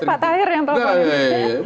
pak tahir yang teleponin